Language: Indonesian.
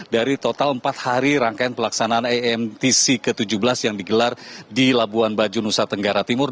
dari total empat hari rangkaian pelaksanaan amtc ke tujuh belas yang digelar di labuan bajo nusa tenggara timur